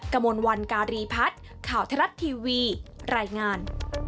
กระมวลวันการีพัฒน์ข่าวทรัฐทีวีรายงาน